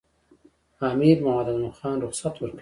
امیر محمد اعظم خان رخصت ورکوي.